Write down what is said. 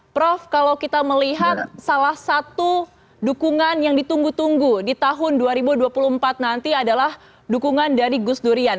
prof kalau kita melihat salah satu dukungan yang ditunggu tunggu di tahun dua ribu dua puluh empat nanti adalah dukungan dari gus durian